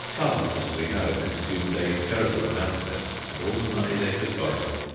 Cards, as we know, consumed a terrible amount of it, and all the money they could borrow.